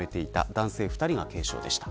男性２人が軽傷でした。